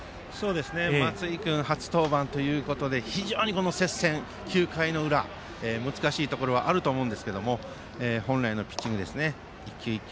松井君初登板ということで非常にこの接戦、９回の裏で難しいところありますが本来のピッチング１球１球